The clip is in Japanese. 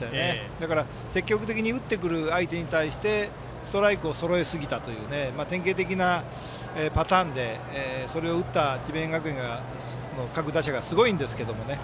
だから積極的に打ってくる相手に対してストライクをそろえすぎたという典型的なパターンでそれを打った智弁学園の各打者がすごいんですけどね。